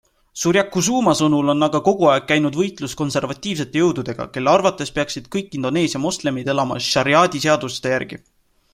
Suryakusuma sõnul on aga kogu aeg käinud võitlus konservatiivsete jõududega, kelle arvates peaksid kõik Indoneesia moslemid elama šariaadiseaduste järgi.